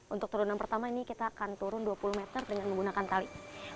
untuk turunan pertama ini kita akan turun dua puluh meter dengan menggunakan tali